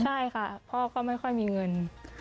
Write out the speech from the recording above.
ใช่ค่ะพ่อก็ไม่ค่อยมีเงิน